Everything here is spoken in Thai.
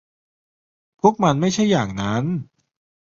พวกมันไม่ใช่อย่างนั้น